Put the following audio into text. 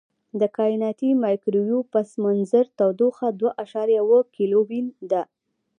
د کائناتي مایکروویو پس منظر تودوخه دوه اعشاریه اووه کیلوین ده.